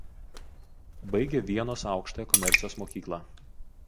Baigė Vienos aukštąją komercijos mokyklą.